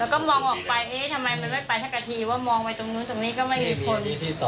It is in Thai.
แล้วก็มองออกไปเอ๊ะทำไมมันไม่ไปสักทีว่ามองไปตรงนู้นตรงนี้ก็ไม่มีคน